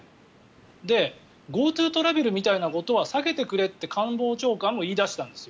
ＧｏＴｏトラベルみたいなことは避けてくれと官房長官も言い出したんです。